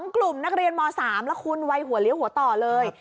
กลุ่มนักเรียนม๓แล้วคุณวัยหัวเลี้ยวหัวต่อเลย